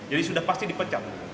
jadi sudah pasti dipecat